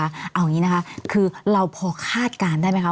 เอาอย่างนี้นะคะคือเราพอคาดการณ์ได้ไหมคะ